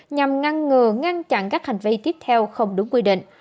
nhằm ngăn ngừa ngăn chặn các hành vi tiếp theo không đúng quy định